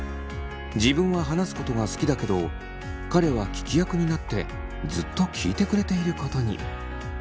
自分は話すことが好きだけど彼は聞き役になってずっと聞いてくれていることに。